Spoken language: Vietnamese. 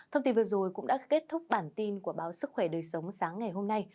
thông tin vừa rồi cũng đã kết thúc bản tin của báo sức khỏe đời sống sáng ngày hôm nay